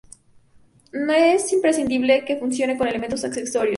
No es imprescindible que funcione con elementos accesorios.